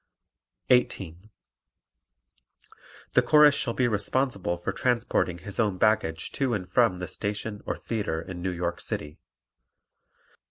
18. The Chorus shall be responsible for transporting his own baggage to and from the station or theatre in New York City.